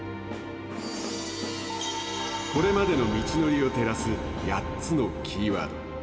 これまでの道のりを照らす８つのキーワード